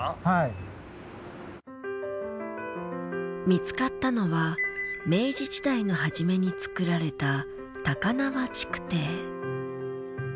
見つかったのは明治時代の初めに作られた高輪築堤。